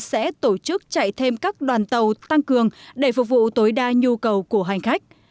sẽ tổ chức chạy thêm các đoàn tàu tăng cường để phục vụ tối đa nhu cầu của hành khách